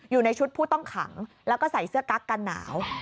อยู่ในชุดผู้ต้องขังแล้วก็ใส่เสื้อกั๊กกันหนาว